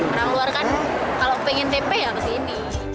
orang luar kan kalau pengen tempe ya kesini